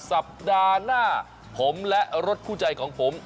สัปดาห์หน้าผมและรถคู่ใจของผม